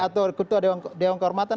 atau ketua dewan kehormatan